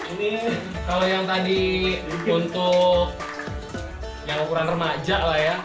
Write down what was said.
ini kalau yang tadi untuk yang ukuran remaja lah ya